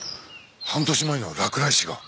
半年前の落雷死が？